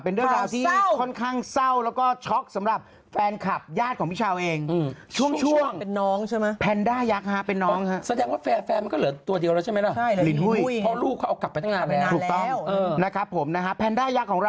เป็นเรื่องราวที่ค่อนข้างเศร้าและช็อคสำหรับแฟนคลับย่าสของพี่เช้าเอง